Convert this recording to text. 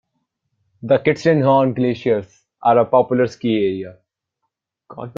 The Kitzsteinhorn glaciers are a popular ski area.